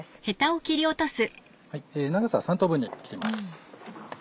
長さは３等分に切ります。